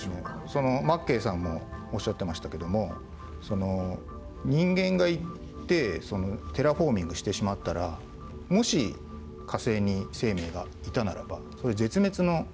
マッケイさんもおっしゃってましたけども人間が行ってテラフォーミングしてしまったらもし火星に生命がいたならば絶滅をさせる可能性もあると。